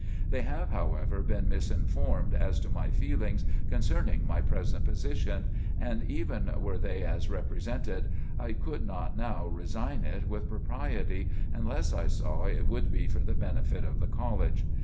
They have, however, been misinformed as to my feelings concerning my present position, and even were they as represented, I could not now resign it with propriety unless I saw it would be for the benefit of the college.